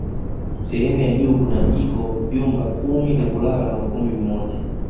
Sehemu ya juu kuna jiko vyumba kumi vya kulala na ukumbi mmoja